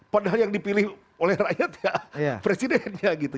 padahal yang dipilih oleh rakyat ya presidennya gitu